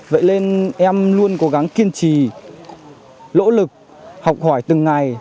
vậy nên em luôn cố gắng kiên trì lỗ lực học hỏi từng ngày